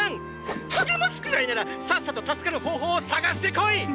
励ますくらいならさっさと助かる方法を探してこい！！